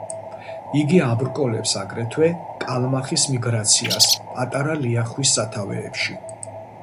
იგი აბრკოლებს აგრეთვე კალმახის მიგრაციას პატარა ლიახვის სათავეებში.